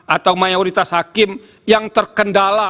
atau mayoritas hakim yang terkendala